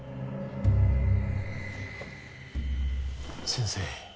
先生。